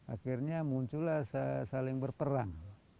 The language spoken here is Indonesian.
akhirnya muncullah saling berperang